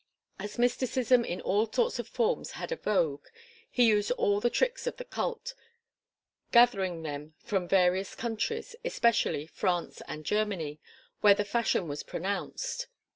As mysticism in all sorts of forms had a vogue, he used all the tricks of the cult, gathering them from various countries, especially France and Germany, where the fashion was pronounced.